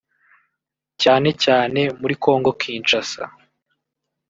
cyane cyane muri Congo Kinshasa